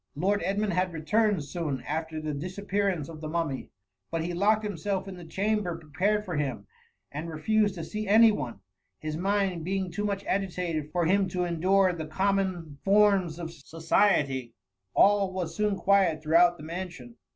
Lord Edmund had re * turned soon . after the disappearance of the Mummy ; but he locked himself in the cham ^ ber prepared for him, and refused to see any one^ his mind bring too much agitated for him to endure the common forma of society* All was soon quiet throughout the mansion.